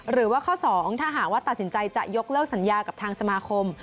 หรือว่าข้อ๒ถ้าหากว่าตัดสินใจจะยกเลิกสัญญากับทางสมาคม